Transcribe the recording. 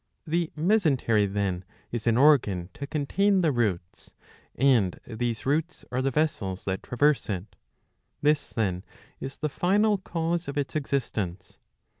The mesentery, then, is an organ to contain the roots ; and these rpots are the vessels that traverse it. This then is the final cause of its existence.